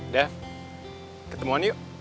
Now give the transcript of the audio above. dev ketemuan yuk